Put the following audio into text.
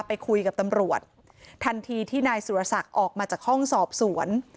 ไปคุยกับตำรวจทันทีที่นายสุรศักดิ์ออกมาจากห้องสอบสวน